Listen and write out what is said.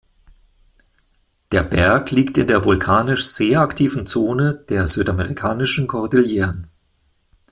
Der Berg liegt in der vulkanisch sehr aktiven Zone der Südamerikanischen Kordilleren.